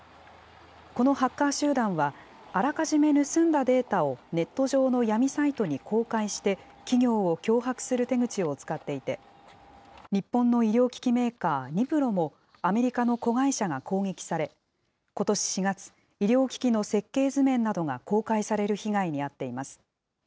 このハッカー集団は、あらかじめ盗んだデータをネット上の闇サイトに公開して、企業を脅迫する手口を使っていて、日本の医療機器メーカー、ニプロも、アメリカの子会社が攻撃され、ことし４月、医療機器の設計図面などが公開される被害に遭っています。